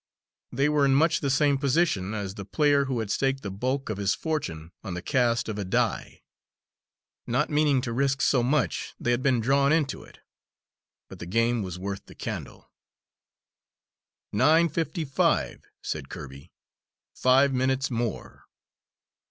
They were in much the same position as the player who had staked the bulk of his fortune on the cast of a die. Not meaning to risk so much, they had been drawn into it; but the game was worth the candle. "Nine fifty five," said Kirby. "Five minutes more!"